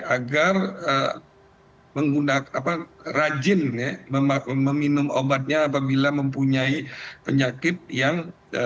agar rajin meminum obatnya apabila mempunyai penyakit yang